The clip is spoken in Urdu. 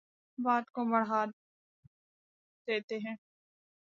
بات کو بڑھا دیتے ہیں